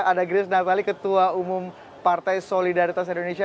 ada gris napali ketua umum partai solidaritas indonesia